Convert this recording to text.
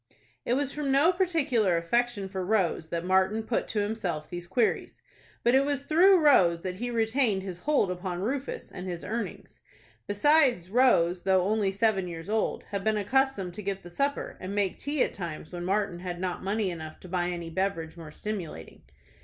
It was from no particular affection for Rose that Martin put to himself these queries. But it was through Rose that he retained his hold upon Rufus and his earnings. Besides, Rose, though only seven years old, had been accustomed to get the supper, and make tea at times when Martin had not money enough to buy any beverage more stimulating.